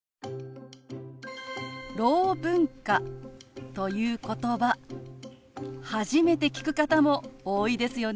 「ろう文化」ということば初めて聞く方も多いですよね。